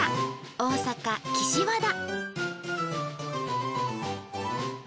大阪岸和田。